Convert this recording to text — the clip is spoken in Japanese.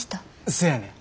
せやねん。